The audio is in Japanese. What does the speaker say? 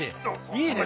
いいね